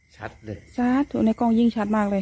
ชัดเลยชัดตัวในกล้องยิ่งชัดมากเลย